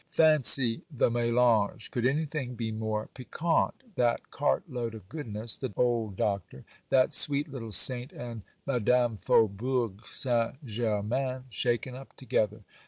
Fancy the melange; could anything be more piquant?—that cart load of goodness, the old Doctor,—that sweet little saint and Madame Faubourg St. Germain shaken up together!